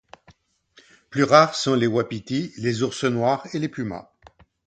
Plus rares sont les wapitis, les ours noirs et les pumas.